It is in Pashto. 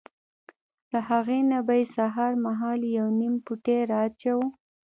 له هغې نه به یې سهار مهال یو نیم پوټی را اچاوه.